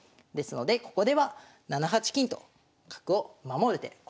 ですのでここでは７八金と角を守る手。